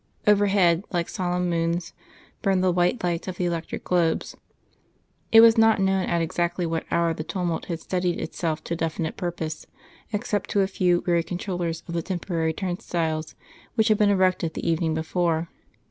Overhead, like solemn moons, burned the white lights of the electric globes. It was not known at exactly what hour the tumult had steadied itself to definite purpose, except to a few weary controllers of the temporary turnstiles which had been erected the evening before.